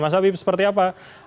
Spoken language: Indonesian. mas habib seperti apa